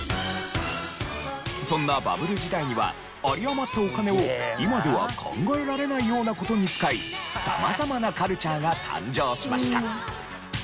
そんなバブル時代には有り余ったお金を今では考えられないような事に使い様々なカルチャーが誕生しました。